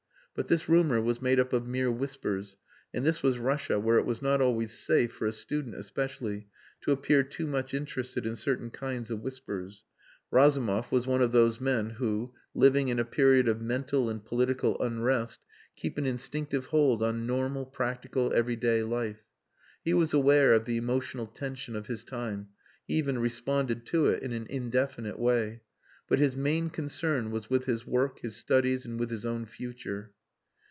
But this rumour was made up of mere whispers, and this was Russia, where it was not always safe, for a student especially, to appear too much interested in certain kinds of whispers. Razumov was one of those men who, living in a period of mental and political unrest, keep an instinctive hold on normal, practical, everyday life. He was aware of the emotional tension of his time; he even responded to it in an indefinite way. But his main concern was with his work, his studies, and with his own future.